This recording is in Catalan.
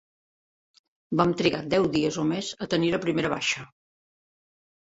Vam trigar deu dies o més a tenir la primera baixa.